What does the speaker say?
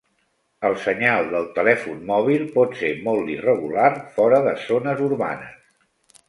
El senyal del telèfon mòbil pot ser molt irregular fora de zones urbanes